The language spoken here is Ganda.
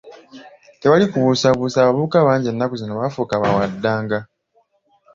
Tewali kubuusabuusa abavubuka bangi ennaku zino baafuuka bawaddanga.